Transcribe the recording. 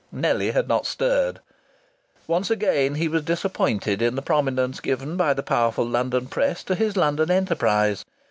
Nellie had not stirred. Once again he was disappointed in the prominence given by the powerful London press to his London enterprise.